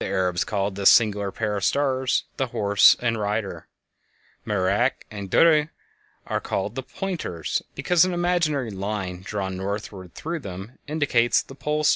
The Arabs called this singular pair of stars "The Horse and Rider." Merak and Duhbe are called "The Pointers," because an imaginary line drawn northward through them indicates the Pole Star.